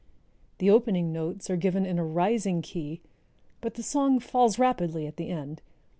The opening notes are given in a rising key, but the song falls rapidly at the end.